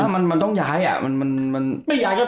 มันต้องย้ายอ่ะ